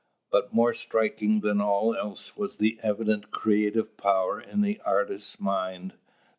But more striking than all else was the evident creative power in the artist's mind.